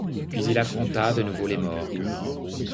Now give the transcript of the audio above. Puis il affronta de nouveau les Maures.